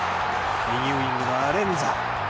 右ウイング、アレンザ。